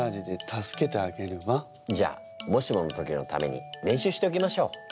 じゃあもしもの時のために練習しておきましょ。